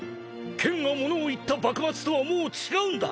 剣がものをいった幕末とはもう違うんだ！